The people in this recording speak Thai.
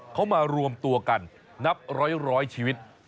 เขามารวมตัวกันนับร้อยชีวิต